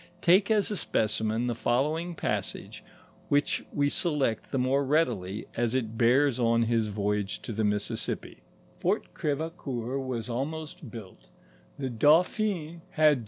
Take as a specimen the following passage, which we select the more readily, as it bears on hia voyage to the Mississippi Fort Crevecceur was almost built, the Dauphin bad THE WORKS OF FATHER HENNEPIN.